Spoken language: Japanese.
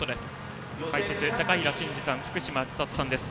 解説は高平慎士さん福島千里さんです。